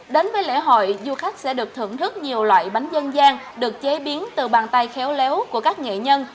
đến với lễ hội du khách sẽ được thưởng thức nhiều loại bánh dân gian được chế biến từ bàn tay khéo léo của các nghệ nhân